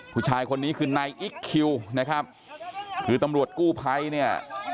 ผู้ชายคนนี้คือนายอิ๊กคิวนะครับคือตำรวจกู้ภัยเนี่ย